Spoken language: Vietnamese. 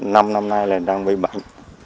năm năm nay là đang vây bẩn